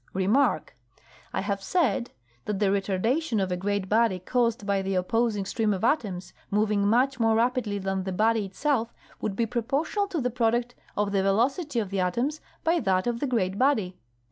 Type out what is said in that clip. Remark: I have said that the retardation of a great body caused by the opposing stream of atoms moving much more rapidly than the body itself would be proportional to the product of the velocity of the atoms by that of the great body.